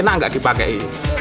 enak gak dipakai